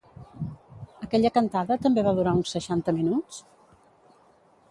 Aquella cantada també va durar uns seixanta minuts?